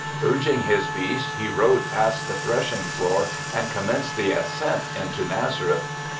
Urging his beast, he rode past the threshing floor and commenced the ascent into Nazareth.